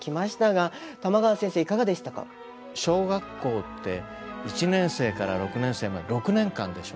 小学校って１年生から６年生まで６年間でしょ。